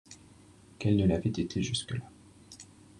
qu’elle ne l’avait été jusque-là.